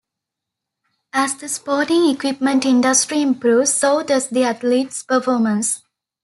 As the sporting equipment industry improves, so does the athletes performance.